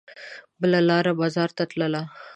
بله لار مزار ته تلله.